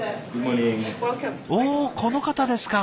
おこの方ですか！